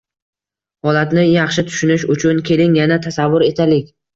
Holatni yaxshi tushunish uchun keling, yana tasavvur etaylik.